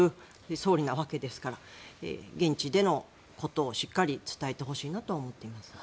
総理なわけですから現地でのことをしっかり伝えてほしいなとは思っています。